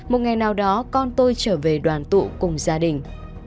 một ngày nào đó con tôi trở về đoàn tụ cùng gia đình